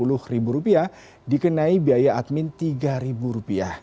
di atas rp lima puluh dikenai biaya admin rp tiga